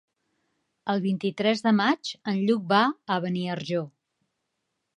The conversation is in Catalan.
El vint-i-tres de maig en Lluc va a Beniarjó.